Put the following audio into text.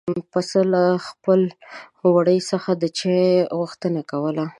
پسه له خپل وړي څخه د چای غوښتنه کوله.